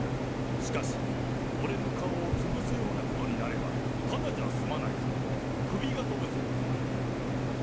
しかし、俺の顔をつぶすようなことになれば、ただじゃあ済まないぞ、首が飛ぶぞ。